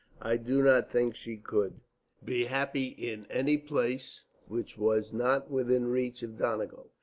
I do not think she could be happy in any place which was not within reach of Donegal.'